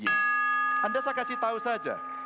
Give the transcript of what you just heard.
anda saya kasih tahu saja